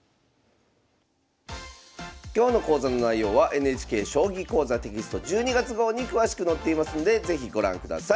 今日の講座の内容はＮＨＫ「将棋講座」テキスト１２月号に詳しく載っていますので是非ご覧ください。